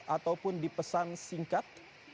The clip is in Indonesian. ataupun di pesan singkat